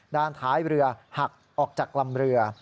ด้านท้ายเรือหักออกจากลำเรือ